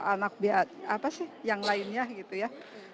anak apa sih yang lainnya gitu ya